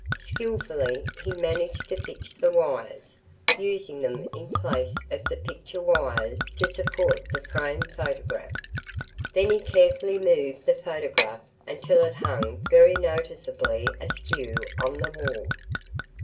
Skillfully, he managed to fix the wires, using them in place of the picture wires to support the framed photograph. Then he carefully moved the photograph until it hung very noticeably askew on the wall.